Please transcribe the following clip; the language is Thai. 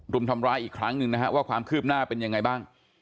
รุมทำร้ายอีกครั้งหนึ่งนะฮะว่าความคืบหน้าเป็นยังไงบ้าง